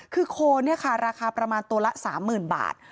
คือโคนเนี่ยค่ะราคาประมาณตัวละ๓๐๐๐บาท